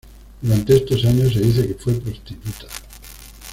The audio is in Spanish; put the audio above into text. Durante estos años, se dice que fue prostituta.